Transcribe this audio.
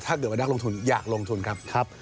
ถ้าเกิดว่านักลงทุนอยากลงทุนครับ